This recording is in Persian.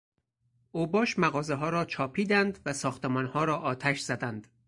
اوباش مغازهها را چاپیدند و ساختمانها را آتش زدند.